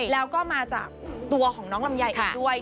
แล้วก็มาจากตัวของน้องลำไยเองด้วย